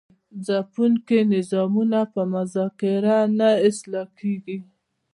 ځپونکي نظامونه په مذاکره نه اصلاح کیږي.